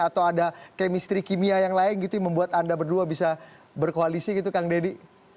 atau ada kemistri kimia yang lain gitu yang membuat anda berdua bisa berkoalisi gitu kang deddy